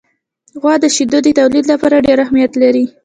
غوا د شیدو د تولید لپاره ډېر اهمیت لري.